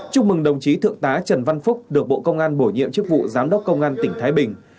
chúc mừng đồng chí thượng tá trần văn phúc được bộ công an bổ nhiệm chức vụ giám đốc công an tỉnh thái bình